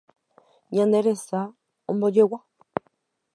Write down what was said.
Ñande resa ombojegua